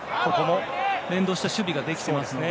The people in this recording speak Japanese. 連動した守備ができていますよね。